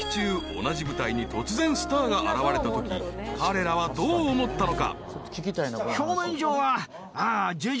同じ部隊に突然スターが現れたとき彼らはどう思ったのか？］